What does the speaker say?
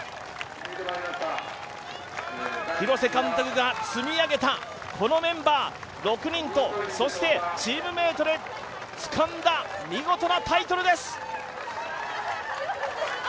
廣瀬監督が積み上げたこのメンバー６人と、そしてチームメートでつかんだ見事なタイトルです。